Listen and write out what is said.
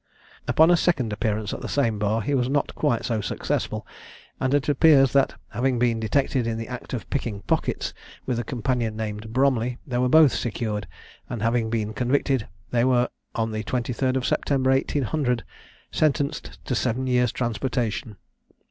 Upon a second appearance at the same bar he was not quite so successful; and it appears that having been detected in the act of picking pockets with a companion named Bromley, they were both secured, and having been convicted, they were on the 23rd September, 1800, sentenced to seven years' transportation.